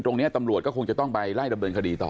ตรงนี้ตำรวจก็คงจะต้องไปไล่ดำเนินคดีต่อ